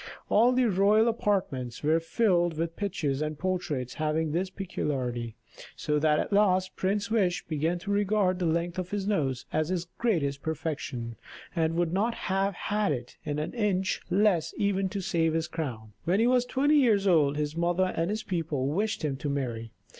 All the royal apartments were filled with pictures and portraits having this peculiarity, so that at last Prince Wish began to regard the length of his nose as his greatest perfection, and would not have had it an inch less even to save his crown. When he was twenty years old his mother and his people wished him to marry.